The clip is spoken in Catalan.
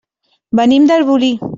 Venim d'Arbolí.